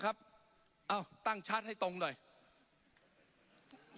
ปรับไปเท่าไหร่ทราบไหมครับ